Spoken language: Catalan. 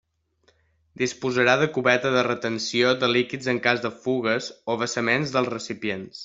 Disposarà de cubeta de retenció de líquids en cas de fugues o vessaments dels recipients.